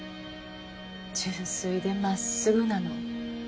純粋でまっすぐなの。